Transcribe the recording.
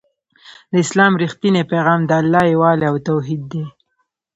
د اسلام رښتينی پيغام د الله يووالی او توحيد دی